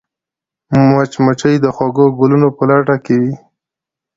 مچمچۍ د خوږو ګلونو په لټه کې وي